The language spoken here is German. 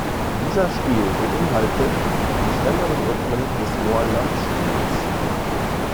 Dieser Stil beinhaltet die schnelleren Rhythmen des "Mor Lam"-Stils.